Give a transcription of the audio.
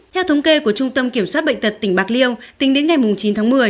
theo thống kê của trung tâm kiểm soát bệnh tật tỉnh bạc liêu tính đến ngày chín tháng một mươi